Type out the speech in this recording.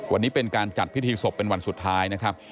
วันนี้เป็นการจัดพิธีศพเป็นวันสุดท้ายนะครับ